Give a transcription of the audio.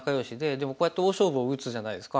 でもこうやって大勝負を打つじゃないですか。